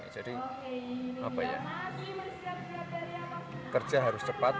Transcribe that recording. jadi apa ya kerja harus cepat